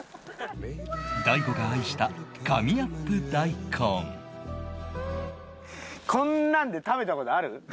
大悟が愛したこんなんで食べた事ある？